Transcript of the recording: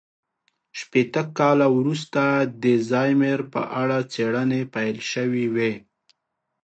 شپېته کاله وروسته د الزایمر په اړه څېړنې پيل شوې وې.